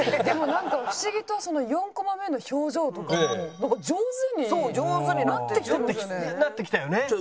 でもなんか不思議と４コマ目の表情とかも上手になってきてるんですよね。